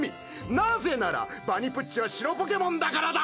なぜならバニプッチは白ポケモンだからだ！